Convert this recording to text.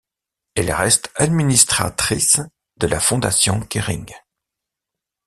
Elle reste administratrice de la Fondation Kering.